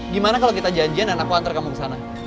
gimana kalau kita janjian dan aku antar kampung ke sana